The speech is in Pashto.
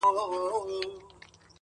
څه همت څه ارادې څه حوصلې سه,